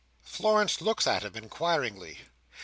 Florence looks at him inquiringly.